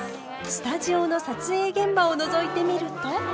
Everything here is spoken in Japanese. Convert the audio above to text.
スタジオの撮影現場をのぞいてみると。